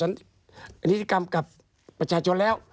นิตยิศาสตร์กับประชาชนแล้ว